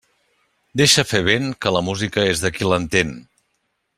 Deixa fer vent, que la música és de qui l'entén.